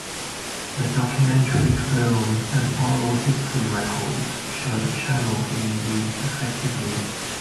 The documentary film and oral history records show the channel being used effectively.